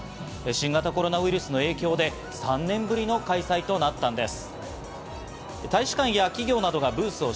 新型コロナウイルスの影響で３年ぶりの開催となったんです。